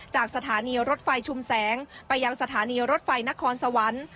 จากสถานีรถไฟชุมแสงไปยังสถานีรถไฟนครสวรรค์